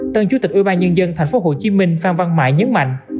tân chủ tịch ubnd tp hcm phan văn mãi nhấn mạnh